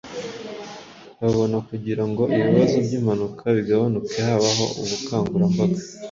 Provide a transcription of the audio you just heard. babona kugira ngo ibibazo by’impanuka bigabanuke habaho ubukangurambaga